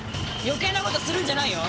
余計な事するんじゃないよ。